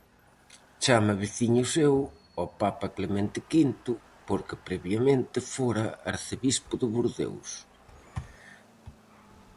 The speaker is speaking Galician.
Chama veciño seu ao Papa Clemente quinto porque previamente fora arcebispo de Bordeos.